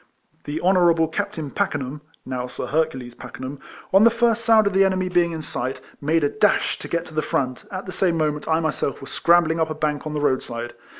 The honourable Captain Pakenham (now Sir Hercules Pa kenham), on the first sound of the enemy being in sight, made a dash to get to the front, at the same moment I myself was scrambling up a bank on the road side.